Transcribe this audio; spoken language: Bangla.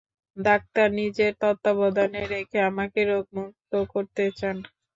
ডাক্তার নিজের তত্ত্বাবধানে রেখে আমাকে রোগমুক্ত করতে চান।